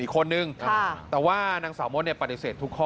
อีกคนหนึ่งค่ะแต่ว่านางสาวมดเนี้ยปฏิเสธทุกข้อ